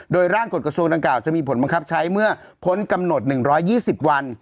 โดยร่างกฎกระทรวงดังกล่าจะมีผลบังคับใช้เมื่อพ้นกำหนด๑๒๐วัน